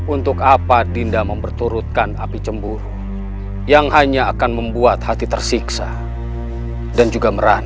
untuk apa dinda memperturutkan api cemburu yang hanya akan membuat hati tersiksa dan juga merah